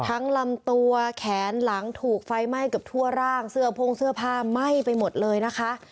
ลำตัวแขนหลังถูกไฟไหม้เกือบทั่วร่างเสื้อพ่งเสื้อผ้าไหม้ไปหมดเลยนะคะ